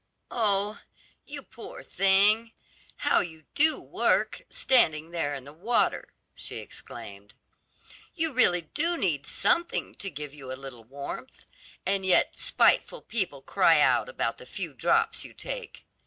"Oh, you poor thing; how you do work, standing there in the water!" she exclaimed. "You really do need something to give you a little warmth, and yet spiteful people cry out about the few drops you take."